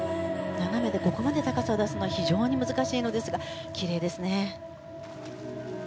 斜めでここまで高さを出すのは非常に難しいのですがきれいですね。